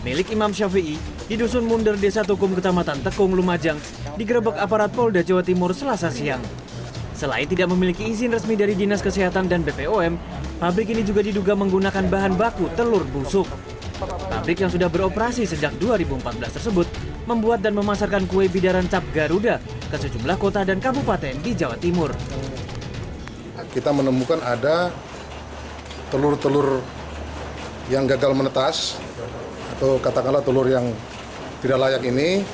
makanan yang gagal menetas atau katakanlah telur yang tidak layak ini